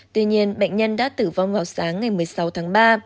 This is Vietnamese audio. tuy nhiên bệnh nhân đã tử vong vào sáng ngày một mươi sáu tháng ba